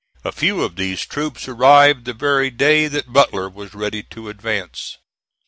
A few of these troops arrived the very day that Butler was ready to advance.